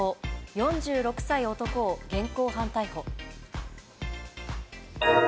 ４６歳男を現行犯逮捕。